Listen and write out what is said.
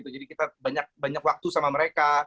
jadi kita banyak waktu sama mereka